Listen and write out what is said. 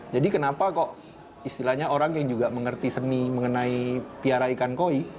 jadi kenapa kok istilahnya orang yang juga mengerti seni mengenai piara ikan koi